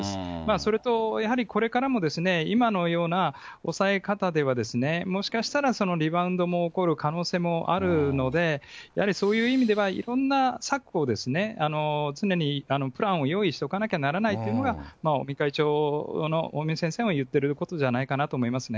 それと、やはりこれからも、今のような抑え方では、もしかしたら、リバウンドも起こる可能性もあるので、やはりそういう意味では、いろんな策を、常にプランを用意しておかなければならないというのが、尾身会長の、尾身先生の言ってることじゃないかなと思いますね。